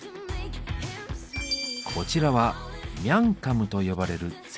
こちらは「ミャンカム」と呼ばれる前菜。